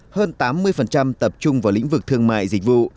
hơn tám mươi tập trung vào lĩnh vực thương mại dịch vụ